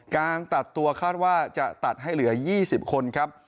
การตัดตัวคาดว่าจะตัดให้เหลือ๒๐คนครับ